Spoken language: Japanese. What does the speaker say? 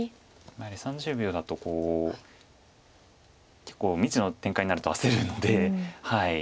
やはり３０秒だと結構未知の展開になると焦るので。